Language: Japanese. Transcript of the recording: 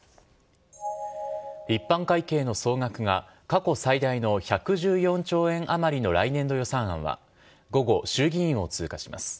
一般会計の総額が過去最大の１１４兆円余りの来年度予算案は、午後、衆議院を通過します。